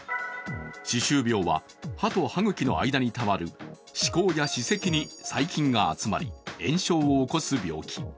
歯周病は、歯と歯茎の間にたまる歯垢や歯石に細菌が集まり炎症を起こす病気。